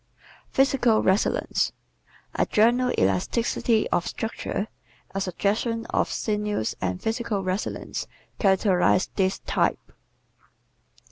Physical Resilience ¶ A general elasticity of structure, a suggestion of sinews and physical resilience characterizes this type.